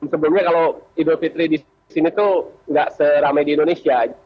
sebelumnya kalau idul fitri di sini tuh nggak seramai di indonesia